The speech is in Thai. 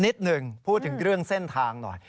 นิดหนึ่งพูดถึงเรื่องเส้นทางหน่อย